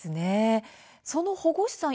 その保護司さん